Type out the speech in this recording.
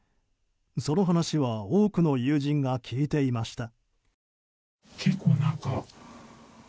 その話は多くの友人が聞いていました。